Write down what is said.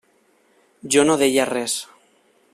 Jo no deia res.